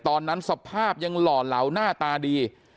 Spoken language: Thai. ตอนนั้นสภาพยังหล่อเหลาหน้าตาดี